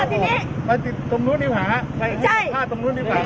ทีนี้รถมันเข้าออกตรงนี้เดี๋ยวไปสัมภาษณ์ตรงนู้นดีกว่าครับ